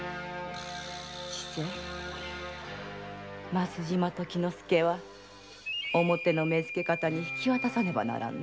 増島時之介は表の目付方に引き渡さねばのう。